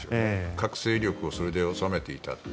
各勢力をそれで収めていた。